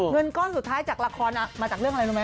เงินก้อนสุดท้ายจากละครมาจากเรื่องอะไรรู้ไหม